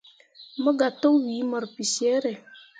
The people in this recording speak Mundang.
Mobga tokwii mur bicere.